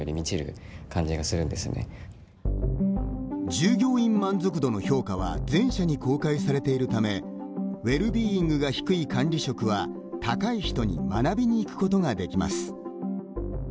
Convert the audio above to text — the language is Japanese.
従業員満足度の評価は全社に公開されているためウェルビーイングが低い管理職は高い人に学びに行くことができます。